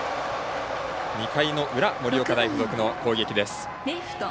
２回の裏、盛岡大付属の攻撃です。